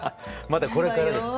まだこれからです。